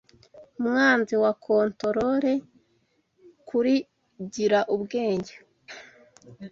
Umwanzi wa contorore kuri "Gira Ubwenge",